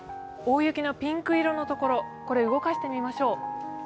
大雪のピンク色の所、これ、動かしてみましょう。